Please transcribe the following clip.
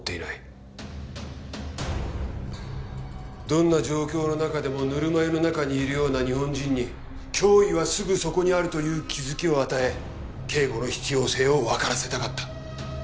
どんな状況の中でもぬるま湯の中にいるような日本人に脅威はすぐそこにあるという気づきを与え警護の必要性をわからせたかった。